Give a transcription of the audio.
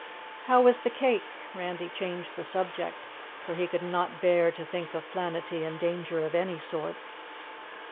"How was the cake?" Randy changed the subject, for he could not bear to think of Planetty in danger of any sort.